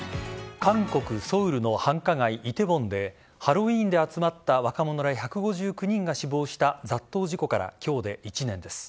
韓国・ソウルの繁華街梨泰院でハロウィーンで集まった若者ら１５９人が死亡した雑踏事故から今日で１年です。